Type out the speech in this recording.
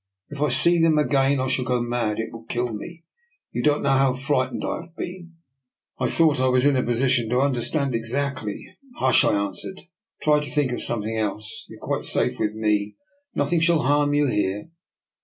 " If I see them again, I shall go mad. It will kill me. You don't know how fright ened I have been." I thought I was in a position to under stand exactly. " Hush," I answered. " Try to think of something else. You are quite safe with me. Nothing shall harm you here."